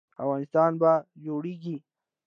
افغانستان به جوړیږي